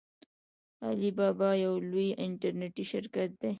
علي بابا یو لوی انټرنیټي شرکت دی.